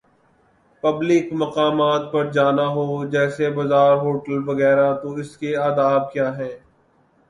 Public مقامات پر جانا ہو، جیسے بازار" ہوٹل وغیرہ تو اس کے آداب کیا ہیں۔